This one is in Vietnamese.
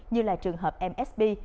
như là trường hợp msb